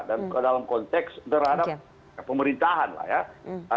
dan dalam konteks terhadap pemerintahan lah ya